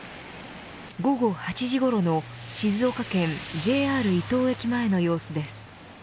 午後８時ごろの静岡県ＪＲ伊東駅前の様子です。